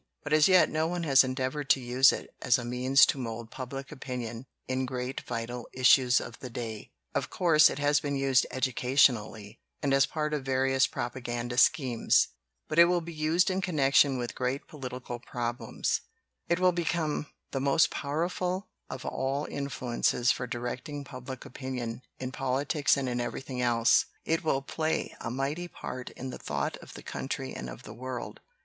But as yet no one has endeavored to use it as a means to mold public opinion in great vital issues of the day. LITERATURE IN THE MAKING "Of course, it has been used educationally, and as part of various propaganda schemes. But it will be used in connection with great political problems. It will become the most powerful of all influences for directing public opinion in politics and in everything else. "It will play a mighty part in the thought of the country and of the world.